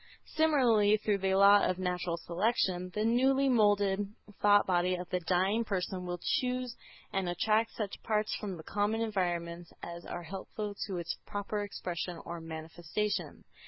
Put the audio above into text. Similarly, through the law of "natural selection" the newly moulded thought body of the dying person will choose and attract such parts from the common environments as are helpful to its proper expression or manifestation.